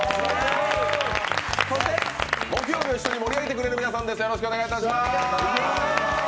そして、木曜日を一緒に盛り上げてくれる皆さんです。